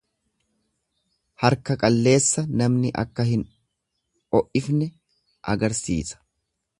Harka qalleessa namni akka hin o'ifne agarsiisa.